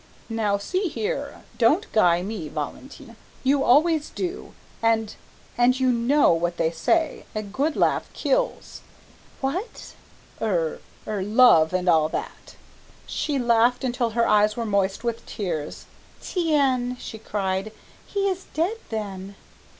"Now see here, don't guy me, Valentine. You always do, and, and, you know what they say, a good laugh kills " "What?" "Er er love and all that." She laughed until her eyes were moist with tears. "Tiens," she cried, "he is dead, then!"